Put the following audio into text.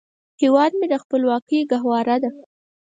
هیواد مې د خپلواکۍ ګهواره ده